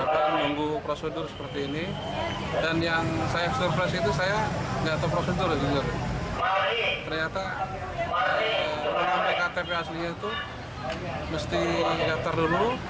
ternyata menampilkan ktp aslinya itu mesti gatar dulu